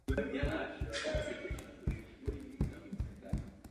V této funkci měl zásadní zásluhy na zvýšení úderné síly armády.